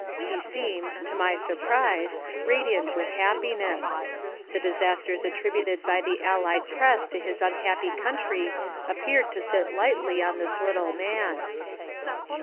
He seemed, to my surprise, radiant with happiness. The disasters attributed by the allied press to his unhappy country appeared to sit lightly on the little man.